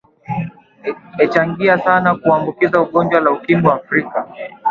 echangia sana kuambukiza gonjwa la ukimwi afrika